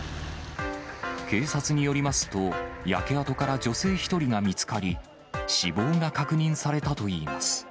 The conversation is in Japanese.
警察によりますと、焼け跡から女性１人が見つかり、死亡が確認されたといいます。